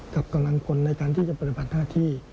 กับกำลังคนในการที่จะปฏิบัติท่าที่